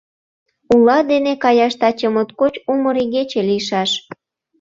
Ула дене каяш таче моткоч умыр игече лийшаш.